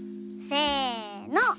せの。